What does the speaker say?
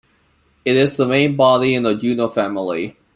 It is the main body in the Juno family.